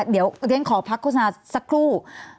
เดี๋ยวฉันขอพักโฆษณาสักครู่